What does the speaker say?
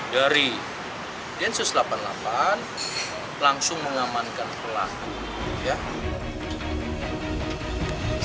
dari densus delapan puluh delapan langsung mengamankan pelaku